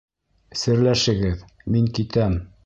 Серләшегеҙ, мин китәм.